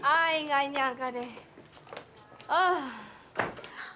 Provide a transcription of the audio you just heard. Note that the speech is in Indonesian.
ayah nggak nyangka deh